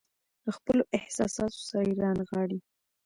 له خپلو احساساتو سره يې رانغاړي.